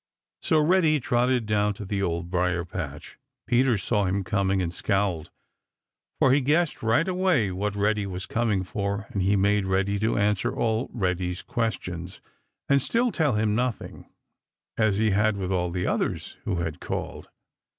So Reddy trotted down to the Old Briar patch. Peter saw him coming and scowled, for he guessed right away what Reddy was coming for, and he made ready to answer all Reddy's questions and still tell him nothing, as he had with all the others who had called.